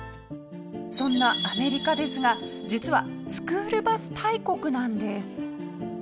そんなアメリカですが実はスクールバス大国なんです。